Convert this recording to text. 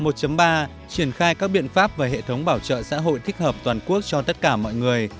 triển khai các biện pháp và hệ thống bảo trợ xã hội thích hợp toàn quốc cho tất cả mọi người